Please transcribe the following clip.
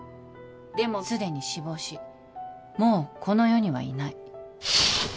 でもすでに死亡しもうこの世にはいない。